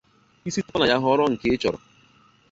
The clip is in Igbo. isitekwa na ya họrọ nke ị chọrọ